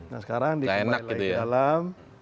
nah sekarang dikembali lagi ke dalam